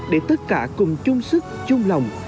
để tất cả cùng chung sức chung lòng